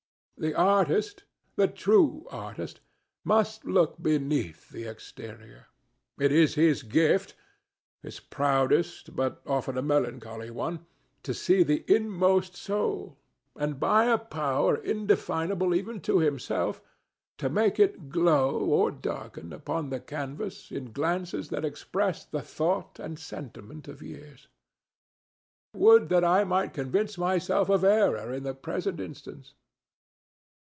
The artist—the true artist—must look beneath the exterior. It is his gift—his proudest, but often a melancholy one—to see the inmost soul, and by a power indefinable even to himself to make it glow or darken upon the canvas in glances that express the thought and sentiment of years. Would that I might convince myself of error in the present instance!"